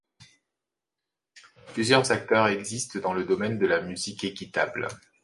Plusieurs acteurs existent dans le domaine de la musique équitable.